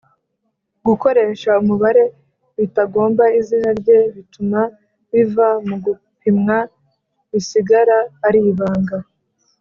gukoresha umubare bitagomba izina rye bituma ibiva mu gupimwa bisigara ar’ibanga.